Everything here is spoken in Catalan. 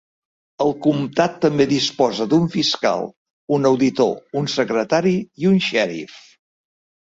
El comtat també disposa d'un fiscal, un auditor, un secretari i un xèrif.